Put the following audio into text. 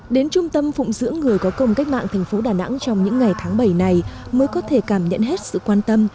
đến trung tâm phụng dưỡng người có công cách mạng tp đà nẵng trong những ngày tháng bảy này mới có thể cảm nhận hết sự quan tâm